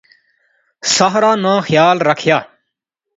ساحرہ ناں خیال رکھیا